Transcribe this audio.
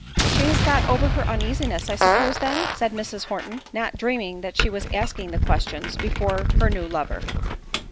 "She has got over her uneasiness, I suppose then?" said Mrs. Horton—not dreaming that she was asking the questions before her new lover.